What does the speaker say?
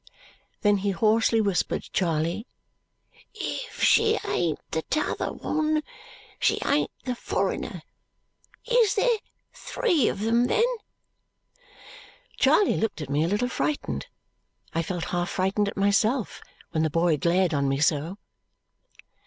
Then he hoarsely whispered Charley, "If she ain't the t'other one, she ain't the forrenner. Is there THREE of 'em then?" Charley looked at me a little frightened. I felt half frightened at myself when the boy glared on me so.